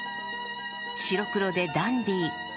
白黒でダンディー。